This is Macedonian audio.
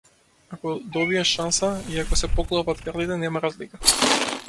Ако добиеш шанса и ако се поклопат картите, нема разлика.